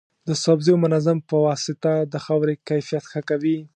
د سبزیو منظم پواسطه د خاورې کیفیت ښه کوي.